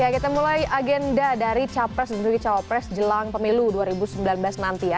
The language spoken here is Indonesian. kita mulai agenda dari capres dan juga cawapres jelang pemilu dua ribu sembilan belas nanti ya